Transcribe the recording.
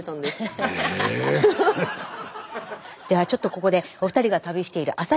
⁉ではちょっとここでお二人が旅している旭